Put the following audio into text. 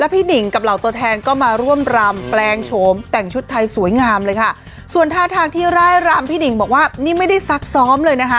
พี่หนิกับเหล่าตัวแทนมาร่วมราม